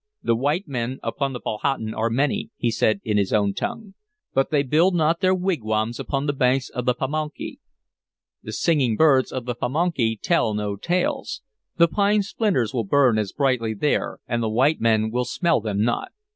"The white men upon the Powhatan are many," he said in his own tongue, "but they build not their wigwams upon the banks of the Pamunkey. 1 The singing birds of the Pamunkey tell no tales. The pine splinters will burn as brightly there, and the white men will smell them not.